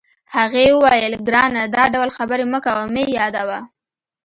هغې وویل: ګرانه، دا ډول خبرې مه کوه، مه یې یادوه.